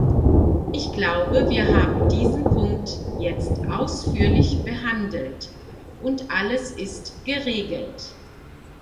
Ich glaube, wir haben diesen Punkt jetzt ausführlich behandelt und alles ist geregelt.